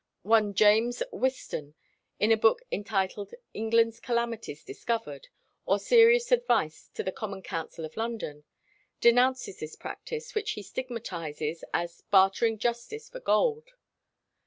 One James Whiston, in a book entitled "England's Calamities Discovered, or Serious Advice to the Common Council of London," denounces this practice, which he stigmatizes as "bartering justice for gold."